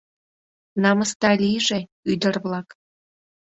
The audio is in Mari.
Намысда лийже, ӱдыр-влак!